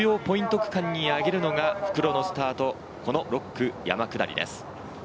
区間にあげるのが、復路のスタート、この６区、山下りです。